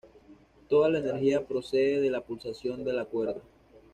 Toda la energía procede de la pulsación de la cuerda.